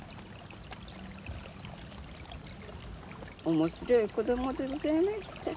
面白い子供でございました。